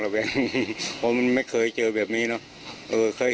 คือมันไม่เคยเจอแบบนี้เนอะ